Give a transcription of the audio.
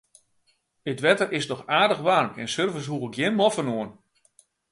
It wetter is noch aardich waarm en surfers hoege gjin moffen oan.